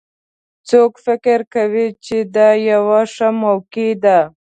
څوک فکر کوي چې دا یوه ښه موقع ده